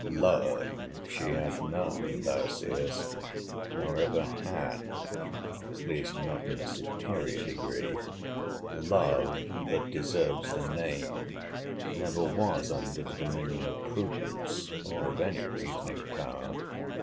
Love, she has none, thou seest; nor ever had; at least not in a superior degree. Love, that deserves the name, never was under the dominion of prudence, or of any reasoning power.